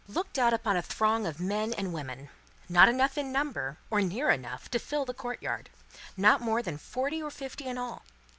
Looked out upon a throng of men and women: not enough in number, or near enough, to fill the courtyard: not more than forty or fifty in all.